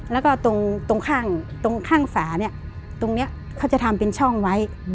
แล้วก็ตรงข้างตรงข้างฝาเนี่ยตรงนี้เขาจะทำเป็นช่องไว้